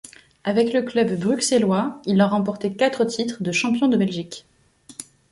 Avec le club bruxellois, il a remporté quatre titres de champion de Belgique.